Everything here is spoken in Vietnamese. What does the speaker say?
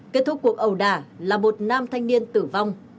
kết thúc cuộc ẩu đả là một nam thanh niên tử vong